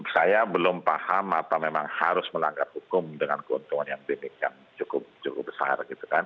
saya belum paham apa memang harus melanggar hukum dengan keuntungan yang demikian cukup besar